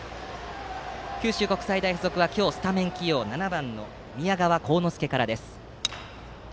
九州国際大付属は今日スタメン起用の７番の宮川幸之助からです。